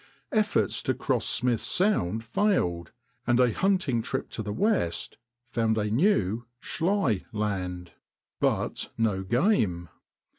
Efforts to cross Smith Sound failed, and a hunting trip to the west found a new (Schley) land, but no game.